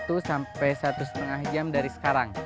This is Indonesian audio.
satu sampai satu lima jam dari sekarang